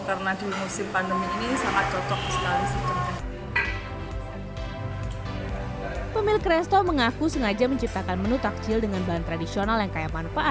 karena di musim pandemi ini